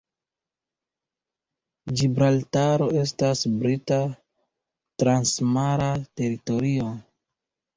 Ĝibraltaro estas Brita transmara teritorio.